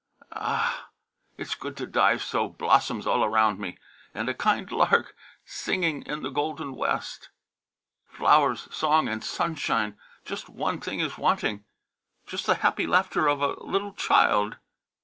Ah! It's good to die so, blossoms all around me, And a kind lark singing in the golden West. "Flowers, song and sunshine, just one thing is wanting, Just the happy laughter of a little child."